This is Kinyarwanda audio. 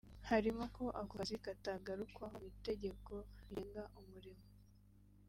harimo ko ako kazi katagarukwaho mu itegeko rigenga umurimo